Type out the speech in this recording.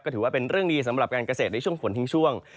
ถือว่าเป็นเรื่องดีสำหรับการเกษตรในช่วงฝนทิ้งช่วง